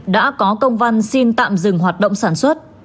đã có công văn xin tạm dừng hoạt động sản xuất